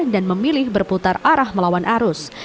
dan memilih berputar arah melawan arus